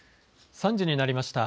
３時になりました。